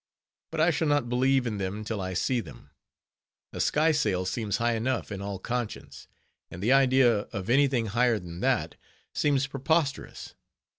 _ But I shall not believe in them till I see them; a skysail seems high enough in all conscience; and the idea of any thing higher than that, seems preposterous.